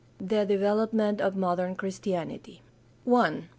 THE DEVELOPMENT OF MODERN CHRISTIANITY 441 I.